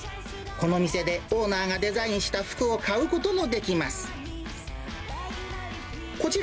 この店でオーナーがデザインした服を買うこともできます。